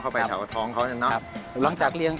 ถ้าเป็นไร้ก้างก็ทำเหมือนกันทำเหมือนกันแล้วมันจูดเสียถัง